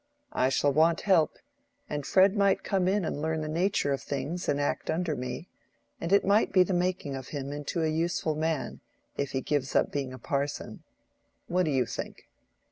I shall want help, and Fred might come in and learn the nature of things and act under me, and it might be the making of him into a useful man, if he gives up being a parson. What do you think?"